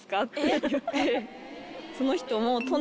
その人も。